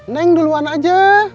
neng duluan aja